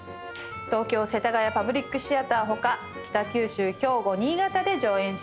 東京世田谷パブリックシアター他北九州兵庫新潟で上演します。